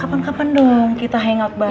kapan kapan dong kita hangout baru